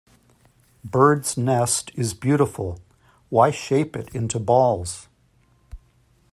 Bird's nest is beautiful -- why shape it into balls?